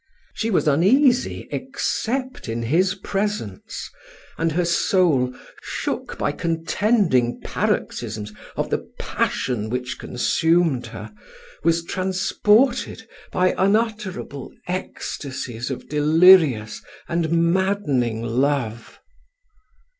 She was uneasy, except in his presence; and her soul, shook by contending paroxysms of the passion which consumed her, was transported by unutterable ecstasies of delirious and maddening love.